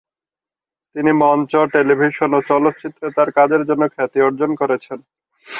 তিনি মঞ্চ, টেলিভিশন ও চলচ্চিত্রে তার কাজের জন্য খ্যাতি অর্জন করেছেন।